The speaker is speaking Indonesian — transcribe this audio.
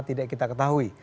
tidak kita ketahui